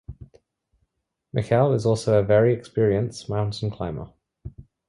Michel is also a very experience mountain climber.